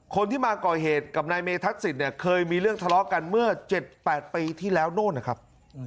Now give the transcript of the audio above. คนที่มาก่อเหตุกับนายเมธัศิษย์เนี่ยเคยมีเรื่องทะเลาะกันเมื่อ๗๘ปีที่แล้วโน่นนะครับ